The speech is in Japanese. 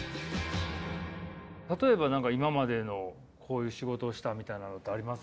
例えば今までのこういう仕事をしたみたいなのってあります？